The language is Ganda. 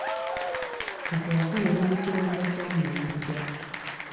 Kati akolera mu kirombe ky'amayinja.